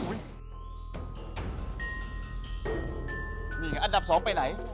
นี่อ่ะอันดับสองไปไหน